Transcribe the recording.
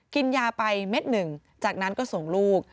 กินยาไปเม็ดหนึ่งจากนั้นก็ส่งลูก